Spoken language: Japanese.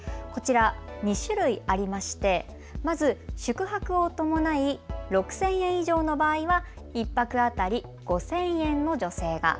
２種類ありましてまず宿泊を伴い６０００円以上の場合は１泊当たり５０００円の助成が。